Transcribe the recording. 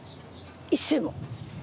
一銭も。